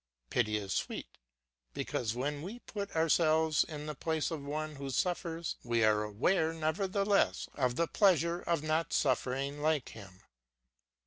Pity is sweet, because, when we put ourselves in the place of one who suffers, we are aware, nevertheless, of the pleasure of not suffering like him.